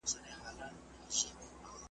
حکومت باید د خلکو ستونزې حل کړي.